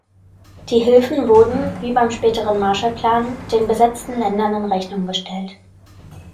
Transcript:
Die Hilfen wurden, wie beim späteren Marshallplan, den besetzten Ländern in Rechnung gestellt.